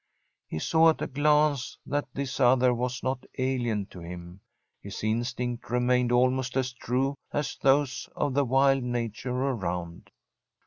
He saw at a glance that this other was not alien to him; his instinct remained almost as true as those of the wild nature around.